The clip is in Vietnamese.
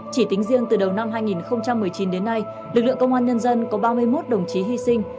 chỉ tính riêng từ đầu năm hai nghìn một mươi chín đến nay lực lượng công an nhân dân có ba mươi một đồng chí hy sinh